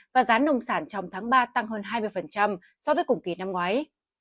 và giá nông sản trong tháng ba tăng hơn hai mươi so với cùng kỳ năm ngoái